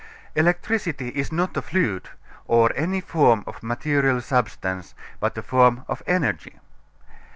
Electricity is not a fluid, or any form of material substance, but a form of energy.